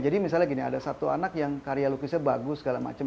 jadi misalnya gini ada satu anak yang karya lukisnya bagus segala macam